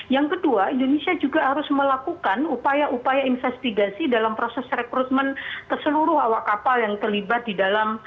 yang kedua indonesia juga harus melakukan upaya upaya investigasi dalam proses rekrutmen ke seluruh awak kapal yang terlibat di dalam